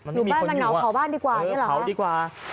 อยู่บ้านมันเหงาเผาบ้านดีกว่า